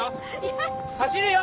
走るよ！